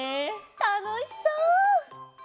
たのしそう！